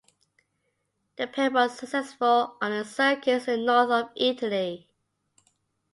The pair were successful on the circuits in the North of Italy.